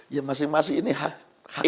ya masih masih ini hak masyarakat